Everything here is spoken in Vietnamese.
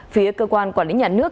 phía cơ quan quản lý nhà nước